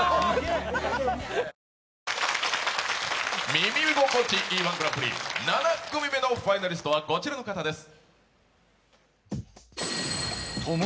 「耳心地いい−１グランプリ」７組目のファイナリストはこちらの方です。